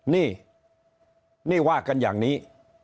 นี่นี่ว่ากันอย่างนี้